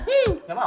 hmm gak mau